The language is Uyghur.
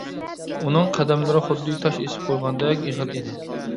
ئۇنىڭ قەدەملىرى خۇددى تاش ئېسىپ قويغاندەك ئېغىر ئىدى.